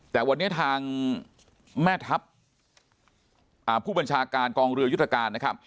แต่วันนี้ทางแม่ทัพผู้บัญชาการกองเรือยุทธการนะครับ